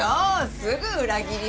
すぐ裏切りそう。